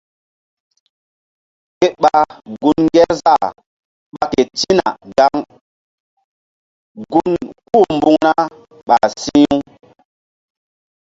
Ke ɓa gun Ŋgerzah ɓa ketina gaŋ gun kú-u mbuŋ ra ɓah si̧h-u.